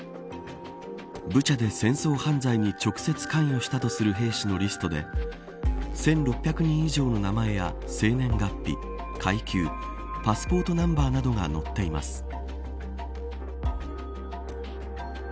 ブチャで戦争犯罪に直接関与したとする兵士のリストで１６００人以上の名前や生年月日階級パスポートナンバーなどが載っています。